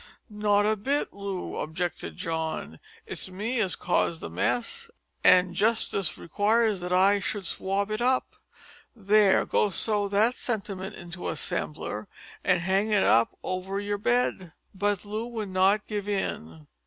"Not a bit, Loo," objected John. "It was me as caused the mess, an' justice requires that I should swab it up. There, go sew that sentiment into a sampler an' hang it up over yer bed." But Loo would not give in.